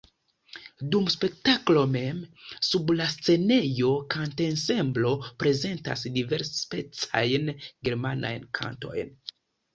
Dum spektaklo mem, sub la scenejo kantensemblo prezentas diversspecajn germanajn kantojn.